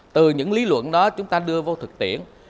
từ những lý luận đó chúng ta đưa vô thực tiễn